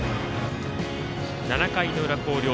７回の裏、広陵。